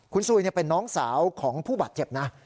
คุณซุยเป็นน้องสาวของผู้บาดเจ็บนะ